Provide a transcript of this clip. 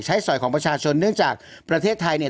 สอยของประชาชนเนื่องจากประเทศไทยเนี่ย